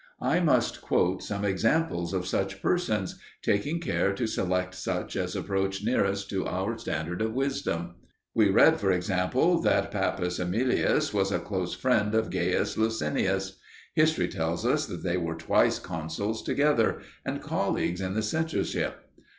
I must quote some examples of such persons, taking care to select such as approach nearest to our standard of wisdom. We read, for instance, that Papus Aemilius was a close friend of Gaius Luscinus. History tells us that they were twice consuls together, and colleagues in the censorship.